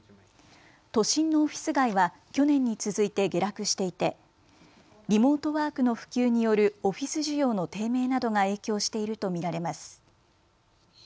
都心のオフィス街は去年に続いて下落していてリモートワークの普及によるオフィス需要の低迷などが影響していると見られます。